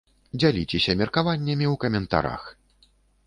Дзяліцеся меркаваннямі ў каментарах!